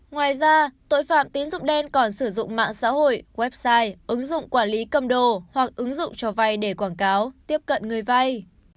ngoài ra tội phạm tín dụng đen còn sử dụng mạng xã hội website ứng dụng quản lý cầm đồ hoặc ứng dụng cho vay để quảng cáo tiếp cận người vay